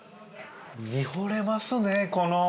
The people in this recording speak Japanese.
見ほれますねこの。